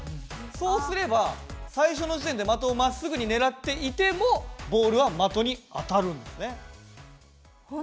そうすれば最初の時点で的をまっすぐにねらっていてもボールは的に当たるんですね。